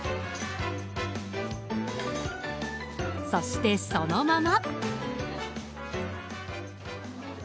そして、そのまま。